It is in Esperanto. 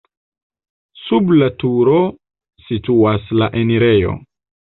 Sub la turo situas la enirejo.